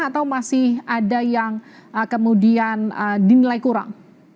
atau masih ada yang kemudian dinilai kurang